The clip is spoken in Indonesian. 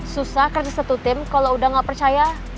susah kerja satu tim kalau udah gak percaya